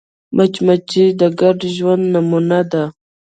مچمچۍ د ګډ ژوند نمونه ده